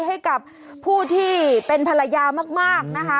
ให้กับผู้ที่เป็นภรรยามากนะคะ